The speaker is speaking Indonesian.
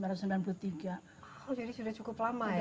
oh jadi sudah cukup lama ya